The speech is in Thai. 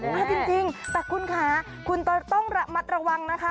มาจริงแต่คุณค่ะคุณต้องระมัดระวังนะคะ